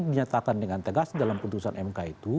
bahkan dengan tegas dalam keputusan mk itu